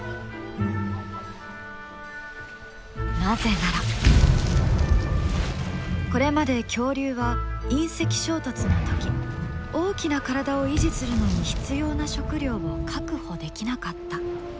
なぜならこれまで恐竜は隕石衝突の時大きな体を維持するのに必要な食料を確保できなかった。